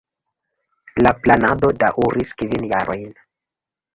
La planado daŭris kvin jarojn.